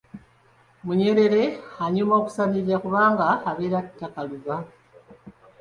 Munyerere y’anyuma okusanirira kubanga abeera takaluba.